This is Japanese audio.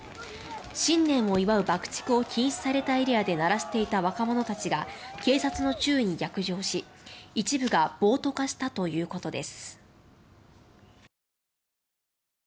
新年を祝う爆竹を禁止されたエリアで鳴らしていた若者たちが警察の注意に逆上し一部が暴徒化したということです。